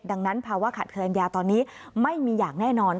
ดังนั้นภาวะขาดแคลนยาตอนนี้ไม่มีอย่างแน่นอน